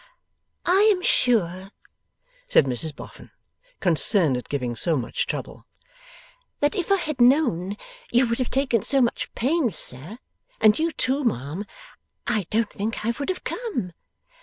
'I am sure,' said Mrs Boffin, concerned at giving so much trouble, 'that if I had known you would have taken so much pains, sir and you too, ma' am I don't think I would have come.